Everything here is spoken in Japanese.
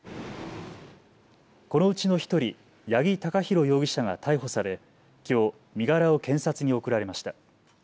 このうちの１人、八木貴寛容疑者が逮捕され、きょう身柄を検察に送られました。